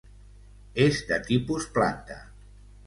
És de tipus planta.